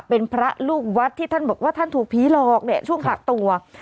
เป็นพระลูกวัดที่ท่านบอกว่าท่านถูกผีหลอกเนี่ยช่วงกักตัว